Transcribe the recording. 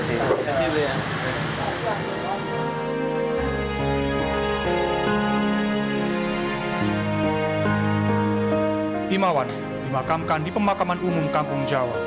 beli bunga yang tadi makan enak ya